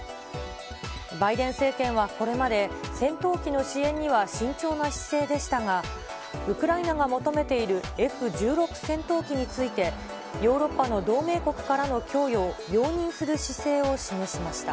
バイデン政権はこれまで、戦闘機の支援には慎重な姿勢でしたが、ウクライナが求めているＦ１６戦闘機について、ヨーロッパの同盟国からの供与を容認する姿勢を示しました。